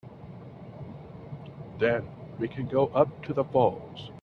Then we can go up to the falls.